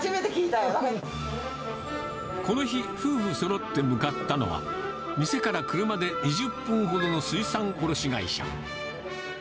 この日、夫婦そろって向かったのは、店から車で２０分ほどの水産卸会社。